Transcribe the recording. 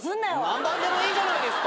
何番でもいいじゃないですか。